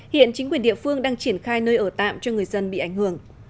hiện chính quyền địa phương đang triển khai nơi ở tạm cho người dân bị ảnh hưởng